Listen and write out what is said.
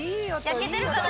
焼けてるかな？